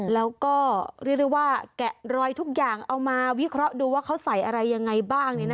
แล้วก็เรียกได้ว่าแกะรอยทุกอย่างเอามาวิเคราะห์ดูว่าเขาใส่อะไรยังไงบ้าง